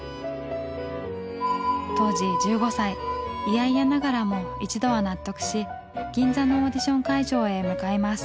嫌々ながらも一度は納得し銀座のオーディション会場へ向かいます。